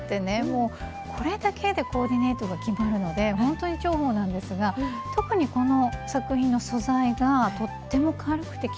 もうこれだけでコーディネートが決まるのでほんとに重宝なんですが特にこの作品の素材がとっても軽くて着心地がいいんですよね。